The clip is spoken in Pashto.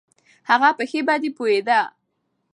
هغه په ښې بدې پوهېده.